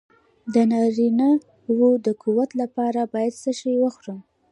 د نارینه وو د قوت لپاره باید څه شی وخورم؟